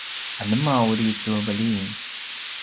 anema uri su veliyn?